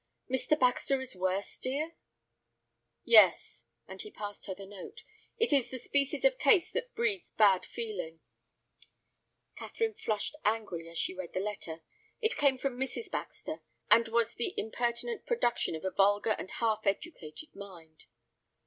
"Mr. Baxter is worse, dear?" "Yes," and he passed her the note; "it is the species of case that breeds bad feeling." Catherine flushed angrily as she read the letter. It came from Mrs. Baxter, and was the impertinent production of a vulgar and half educated mind.